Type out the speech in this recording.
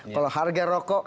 kalau harga rokok